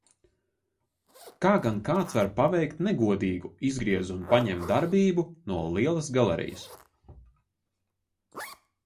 "Kā gan kāds var paveikt negodīgu "izgriez un paņem" darbu no lielas galerijas?"